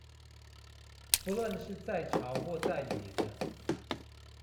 不論是在朝或在野的